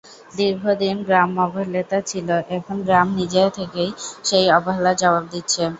দীর্ঘদিন গ্রাম অবহেলিত ছিল, এখন গ্রাম নিজে থেকেই সেই অবহেলার জবাব দিচ্ছে।